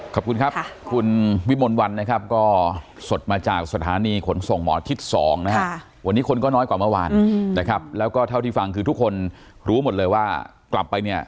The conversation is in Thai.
ขอบคุณครับคุณวิมวลวันนะครับก็สดมาจากสถานีขนส่งหมอชิด๒นะครับ